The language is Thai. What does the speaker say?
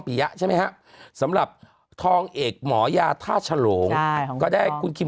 ปียะใช่ไหมฮะสำหรับทองเอกหมอยาท่าฉโหงใช่ของคุณ